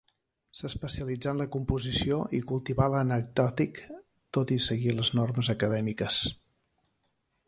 S'especialitzà en la composició i cultivà l'anecdòtic tot i seguir les normes acadèmiques.